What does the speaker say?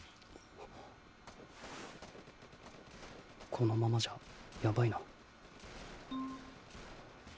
このままじゃやばいな。